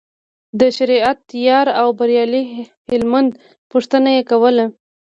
د شریعت یار او بریالي هلمند پوښتنه یې کوله.